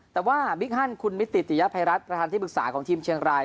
แต่ว่าบิ๊กฮันคุณมิติติยภัยรัฐประธานที่ปรึกษาของทีมเชียงราย